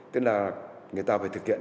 tức là người ta phải thực hiện